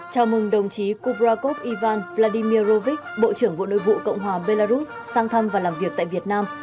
chào mừng đồng chí kubrakov ivan vladimir rovich bộ trưởng bộ nội vụ cộng hòa belarus sang thăm và làm việc tại việt nam